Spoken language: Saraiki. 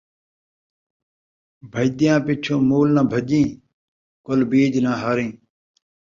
بھڄدیاں پچھوں مول نہ بھڄیں کل بیج ناں ہاریں